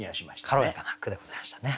軽やかな句でございましたね。